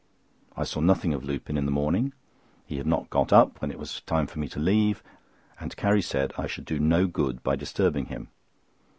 I saw nothing of Lupin in the morning. He had not got up when it was time for me to leave, and Carrie said I should do no good by disturbing him.